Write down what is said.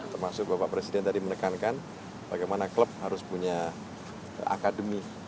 termasuk bapak presiden tadi menekankan bagaimana klub harus punya akademi